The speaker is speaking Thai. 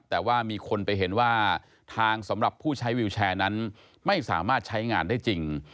แต่ว่ามีคนไปเห็นว่าทางสำหรับผู้ใช้วิวแชร์นั้นไม่สามารถใช้งานได้จริง